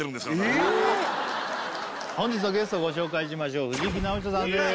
本日のゲストご紹介しましょう藤木直人さんです